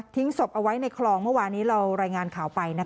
ศพเอาไว้ในคลองเมื่อวานี้เรารายงานข่าวไป